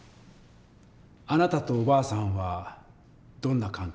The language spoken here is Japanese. あなたとおばあさんはどんな関係でしたか？